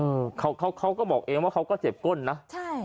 พี่เขาบอกพี่ไปขยับกระจก๕๖ทีเพื่อมองหน้ามองเขาเนี่ยจริงมั้ย